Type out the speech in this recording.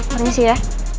harusnya sih ya